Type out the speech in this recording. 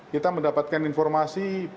kita mendapatkan informasi